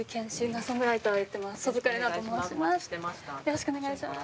よろしくお願いします。